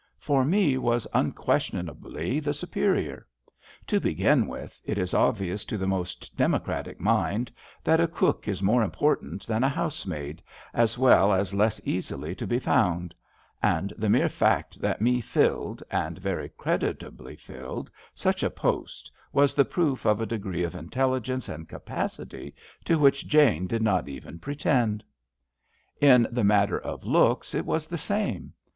For Me was unquestionably the superior. To begin with, it is obvious to the most democratic mind that a cook is more important than a housemaid, as well as less easily to be found; and the mere fact that Me filled, and very creditably filled, such a post was the proof of a degree of intelligence and capacity to which Jane did not even pretend. In the matter of looks it was the same.